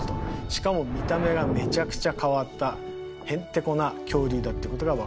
しかも見た目がめちゃくちゃ変わったへんてこな恐竜だっていうことが分かってきました。